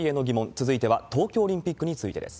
続いては、東京オリンピックについてです。